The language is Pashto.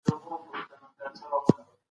د بې نورمۍ په حالت کي لار ورکي وي.